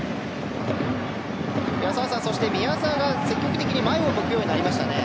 澤さん、宮澤が積極的に前を向くようになりましたね。